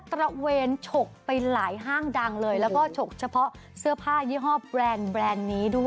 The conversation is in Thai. ระเวนฉกไปหลายห้างดังเลยแล้วก็ฉกเฉพาะเสื้อผ้ายี่ห้อแบรนด์แบรนด์นี้ด้วย